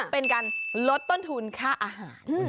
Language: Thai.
เป็นการลดต้นทุนค่าอาหาร